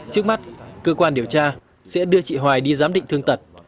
trước mắt cơ quan điều tra sẽ đưa chị hoài đi giám định thương tật